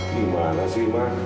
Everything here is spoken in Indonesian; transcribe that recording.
gimana sih ma